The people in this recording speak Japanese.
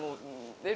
・出る？